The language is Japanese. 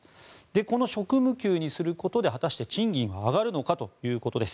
この職務給にすることで果たして賃上げが上がるのかということです。